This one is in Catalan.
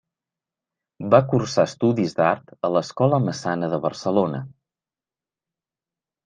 Va cursar estudis d'art a l'Escola Massana de Barcelona.